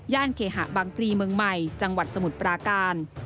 เคหะบางพลีเมืองใหม่จังหวัดสมุทรปราการ